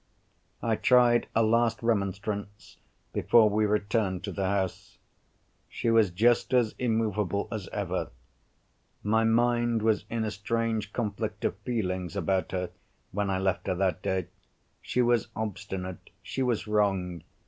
I tried a last remonstrance before we returned to the house. She was just as immovable as ever. My mind was in a strange conflict of feelings about her when I left her that day. She was obstinate; she was wrong.